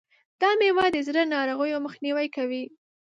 دا مېوه د زړه ناروغیو مخنیوی کوي.